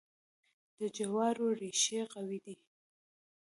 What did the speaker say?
د جوارو ریښې قوي دي.